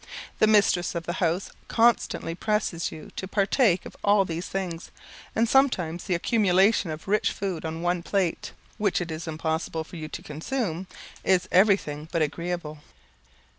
The mistress of the house constantly presses you to partake of all these things, and sometimes the accumulation of rich food on one plate, which it is impossible for you to consume, is everything but agreeable.